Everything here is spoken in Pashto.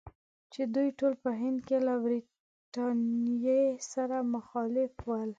چې دوی ټول په هند کې له برټانیې سره مخالف ول.